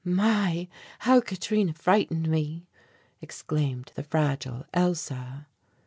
"My, how Katrina frightened me!" exclaimed the fragile Elsa.